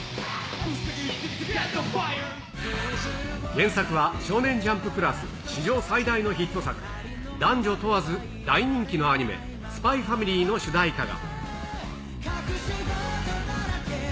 原作は、少年ジャンプ＋史上最大のヒット作、男女問わず大人気のアニメ、ＳＰＹ×ＦＡＭＩＬＹの主題歌が。